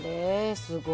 すごい。